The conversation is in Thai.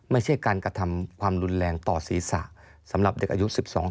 ไม่ใช่การกระทำความรุนแรงต่อศีรษะสำหรับเด็กอายุ๑๒ปี